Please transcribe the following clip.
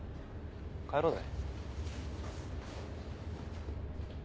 帰ろうぜ。